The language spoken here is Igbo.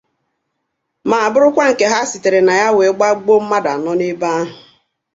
ma bụrụkwa nke ha sitere na ya wee gbagbuo mmadụ anọ n'ebe ahụ